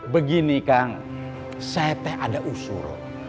begini kang seteh ada usur